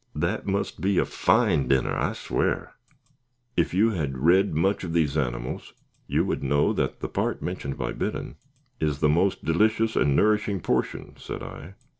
"That must be a fine dinner, I swow." "If you had read much of these animals, you would know that the part mentioned by Biddon, is the most delicious and nourishing portion," said I.